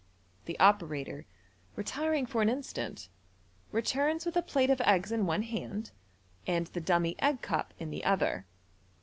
The ope rator, retiring for an instant, returns with a plate of eggs in one hand, and the dummy egg cup in the other.